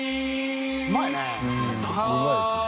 うまいね。